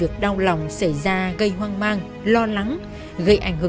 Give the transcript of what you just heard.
có ai không